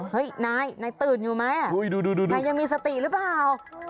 เฮ้ยนายนายตื่นอยู่ไหมนายยังมีสติหรือเปล่า